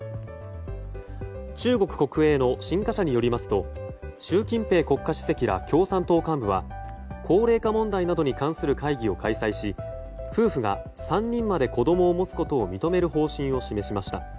中国国営の新華社によりますと習近平国家主席ら共産党幹部は高齢化問題などに関する会議を開催し夫婦が３人まで子供を持つことを認める方針を示しました。